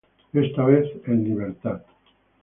Esta vez el Libertad.